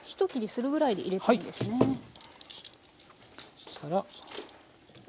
そしたら。